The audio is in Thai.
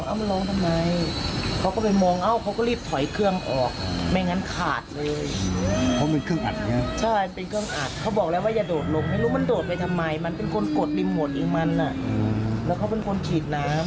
มันเป็นคนกดริมหมดอีกมันแล้วเค้าเป็นคนฉีดน้ำ